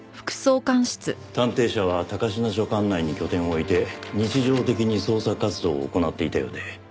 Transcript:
探偵社は高階署管内に拠点を置いて日常的に捜査活動を行っていたようで。